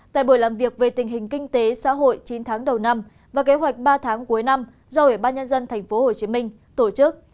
tại buổi làm việc về tình hình kinh tế xã hội chín tháng đầu năm và kế hoạch ba tháng cuối năm do ubnd tp hcm tổ chức